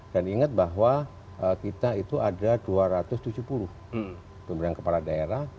dan ingat bahwa kita itu ada dua ratus tujuh puluh pemberian kepala daerah